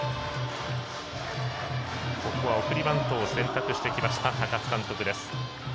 ここは送りバントを選択してきた高津監督です。